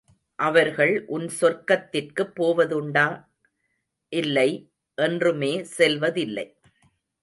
அவர்கள் உன் சொர்க்கத்திற்குப் போவதுண்டா? இல்லை, என்றுமே செல்வதில்லை.